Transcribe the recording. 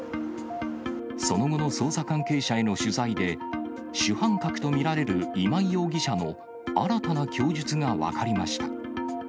その後の捜査関係者への取材で、主犯格と見られる今井容疑者の新たな供述が分かりました。